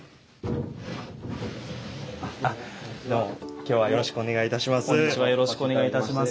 今日はよろしくお願いいたします。